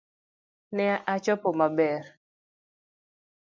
Ne achopo maber